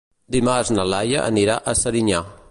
Dimarts na Laia anirà a Serinyà.